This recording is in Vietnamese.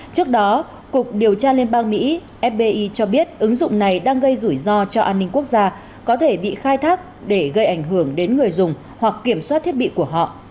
trước đó cục điều tra liên bang mỹ fbi cho biết ứng dụng này đang gây rủi ro cho an ninh quốc gia có thể bị khai thác để gây ảnh hưởng đến người dùng hoặc kiểm soát thiết bị của họ